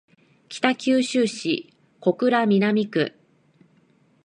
北九州市小倉南区